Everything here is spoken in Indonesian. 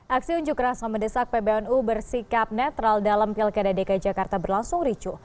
aksi unjuk rasa mendesak pbnu bersikap netral dalam pilkada dki jakarta berlangsung ricu